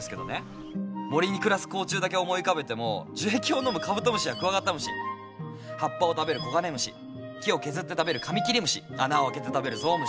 森に暮らす甲虫だけ思い浮かべても樹液を飲むカブトムシやクワガタムシ葉っぱを食べるコガネムシ木を削って食べるカミキリムシ穴を開けて食べるゾウムシ。